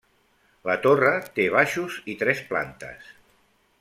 La torre té baixos i tres plantes.